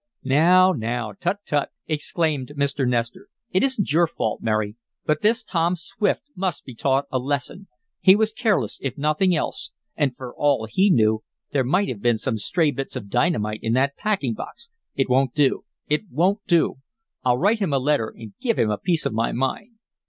"Now, now! Tut, tut!" exclaimed Mr. Nestor. "It isn't your fault, Mary, but this Tom Swift must be taught a lesson. He was careless, if nothing worse, and, for all he knew, there might have been some stray bits of dynamite in that packing box. It won't do! It won't do! I'll write him a letter, and give him a piece of my mind!"